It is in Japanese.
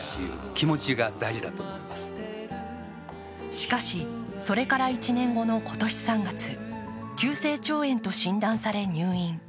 しかし、それから１年後の今年３月急性腸炎と診断され入院。